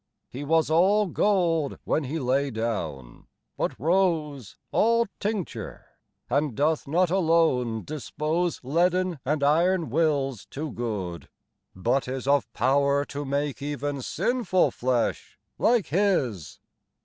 He was all gold when He lay down, but rose All tincture ; and doth not alone dispose Leaden and iron wills to good, but is Of power to make even sinful flesh like His.